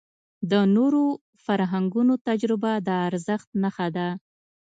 د نورو فرهنګونو تجربه د ارزښت نښه ده.